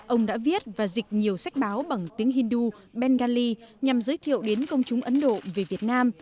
ông đã viết và dịch nhiều sách báo bằng tiếng hindu bengali nhằm giới thiệu đến công chúng ấn độ về việt nam